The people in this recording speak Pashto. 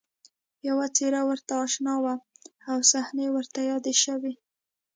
یوه څېره ورته اشنا وه او صحنې ورته یادې شوې